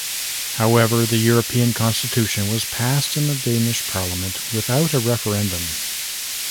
However, the European constitution was passed in the Danish Parliament without a referendum.